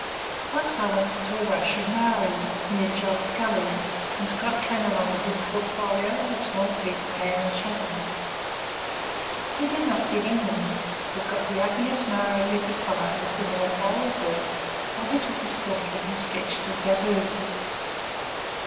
Once I went to a rush of Maoris, near Job's Gully, and Scott came along with his portfolio, a small pick, pan, and shovel. He did not dig any, but got the ugliest Maori he could find to sit on a pile of dirt while he took his portrait and sketched the tattoos.